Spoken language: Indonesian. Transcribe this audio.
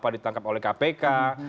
ditangkap oleh kpk